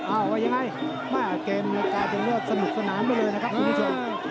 อ้าวว่ายังไงไม่อ่ะเกมโอกาสยังเลือดสนุกสนานไปเลยนะครับคุณผู้ชม